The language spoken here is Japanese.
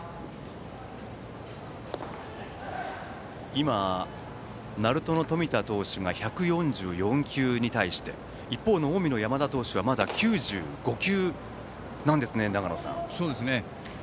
今、鳴門の冨田投手が１４４球に対して一方の近江の山田投手はまだ９５球なんですね。